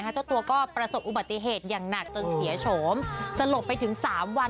เจอเพื่อนเราแฟนเราพร้อม